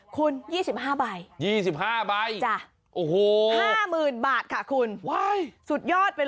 คุณ๒๕ใบ๒๕ใบ